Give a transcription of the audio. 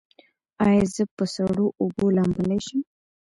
ایا زه په سړو اوبو لامبلی شم؟